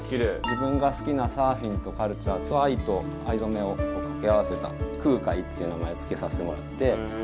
自分が好きなサーフィンとカルチャーと藍と藍染めを掛け合わせた空海っていう名前を付けさせてもらって。